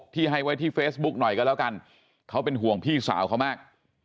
ที่ให้ไว้ที่เฟซบุ๊กหน่อยก็แล้วกันเขาเป็นห่วงพี่สาวเขามาก